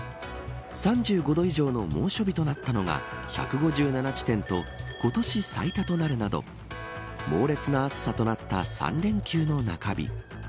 ３５度以上の猛暑日となったのが１５７地点と今年最多となるなど猛烈な暑さとなった３連休の中日。